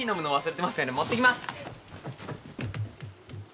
持ってきます。